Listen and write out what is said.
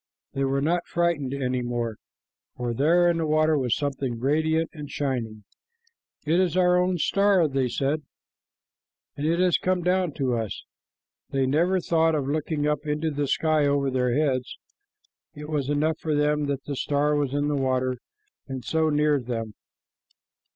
They were not frightened any more, for there in the water was something radiant and shining. "It is our own star," said they, "and it has come down to us." They never thought of looking up into the sky over their heads. It was enough for them that the star was in the water and so near them.